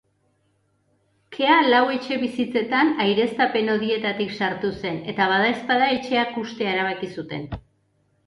Kea lau etxebizitzetan aireztapen hodietatik sartu zen eta badaezpada etxeak hustea erabaki zuten.